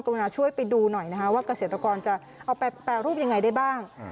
รุณาช่วยไปดูหน่อยนะคะว่าเกษตรกรจะเอาไปแปรรูปยังไงได้บ้าง